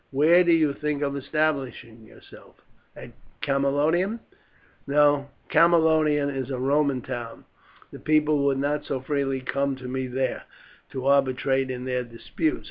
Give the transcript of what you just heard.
Where do you think of establishing yourself at Camalodunum?" "No. Camalodunum is a Roman town; the people would not so freely come to me there to arbitrate in their disputes.